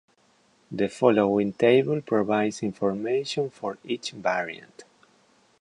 The following table provides information for each variant.